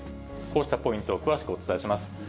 こうしたポイントを詳しくお伝えします。